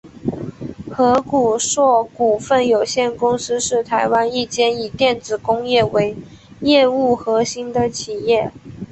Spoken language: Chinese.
禾联硕股份有限公司是台湾一间以电子工业为业务核心的企业。